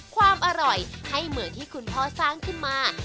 ความอร่อยให้เหมือนที่คุณพ่อสร้างขึ้นมา